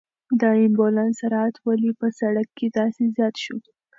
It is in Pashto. د امبولانس سرعت ولې په سړک کې داسې زیات شو؟